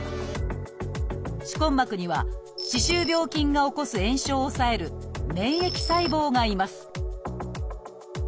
歯根膜には歯周病菌が起こす炎症を抑える免疫細胞がいます